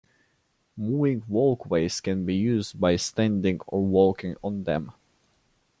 Moving walkways can be used by standing or walking on them.